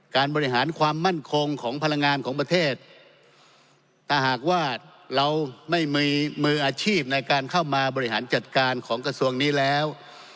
การบริหารความมั่นคงของพลังงานของประเทศถ้าหากว่าเราไม่มีมืออาชีพในการเข้ามาบริหารจัดการของกระทรวงนี้แล้ว